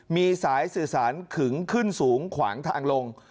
มีสายสื่อสารขึงขึ้นสูงขวางทางลง